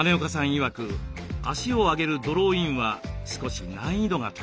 いわく足を上げるドローインは少し難易度が高いそうです。